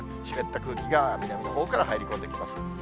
湿った空気が南のほうから入り込んできます。